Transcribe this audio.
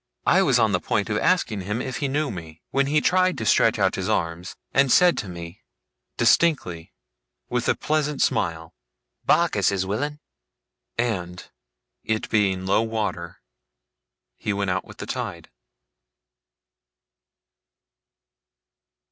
I was on the point of asking him if he knew me, when he tried to stretch out his arm, and said to me, distinctly, with a pleasant smile: 'Barkis is willin'!' And, it being low water, he went out with the tide.